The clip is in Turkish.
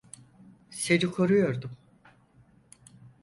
Seni koruyordum.